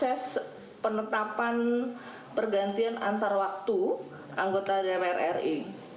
dengan proses penetapan pergantian antar waktu anggota dprri